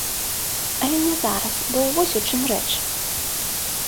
Але не зараз, бо вось у чым рэч.